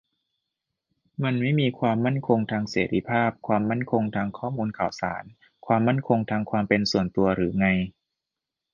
มันไม่มี ความมั่นคงทางเสรีภาพ ความมั่นคงทางข้อมูลข่าวสาร ความมั่นคงทางความเป็นส่วนตัว หรือไง ?